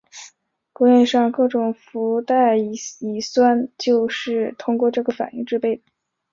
工业上各种氯代乙酸就是通过这个反应制备的。